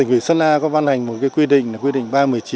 tỉnh quỳ xuân a có văn hành một quy định quy định ba trăm một mươi chín